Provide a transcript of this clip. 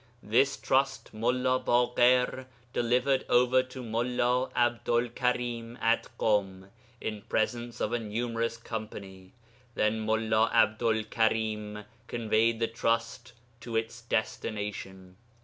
This trust Mullā Baḳir delivered over to Mullā 'Abdu'l Karim at Ḳum in presence of a numerous company.... Then Mullā 'Abdu'l Karim conveyed the trust to its destination.'